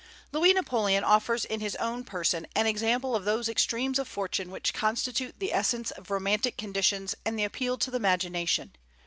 Louis Napoleon offers in his own person an example of those extremes of fortune which constitute the essence of romantic conditions and appeal to the imagination.